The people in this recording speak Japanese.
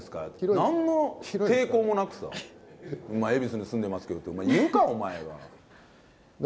なんの抵抗もなくさ、恵比寿に住んでますけどって、言うか、お前が。